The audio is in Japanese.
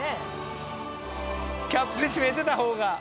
キャップ閉めてた方が。